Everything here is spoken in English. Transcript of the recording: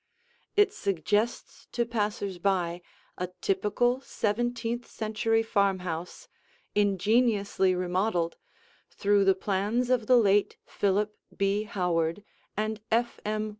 It suggests to passers by a typical, seventeenth century farmhouse, ingeniously remodeled, through the plans of the late Philip B. Howard and F. M.